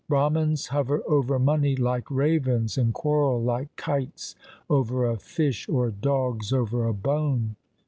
Brahmans hover over money like ravens, and quarrel like kites over a fish or dogs over a bone.